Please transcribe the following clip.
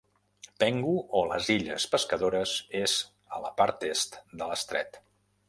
Penghu, o les illes Pescadores, és a la part est de l'estret.